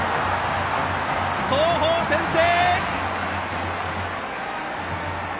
東邦、先制！